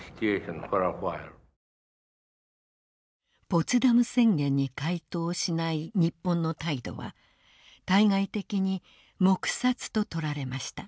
ポツダム宣言に回答しない日本の態度は対外的に黙殺と取られました。